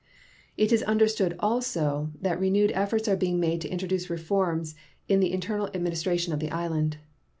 It is understood also that renewed efforts are being made to introduce reforms in the internal administration of the island.